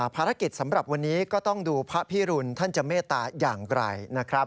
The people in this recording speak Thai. ภารกิจสำหรับวันนี้ก็ต้องดูพระพิรุณท่านจะเมตตาอย่างไรนะครับ